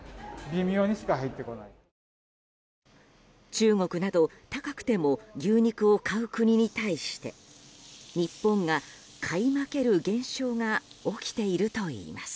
中国など高くても牛肉を買う国に対して日本が買い負ける現象が起きているといいます。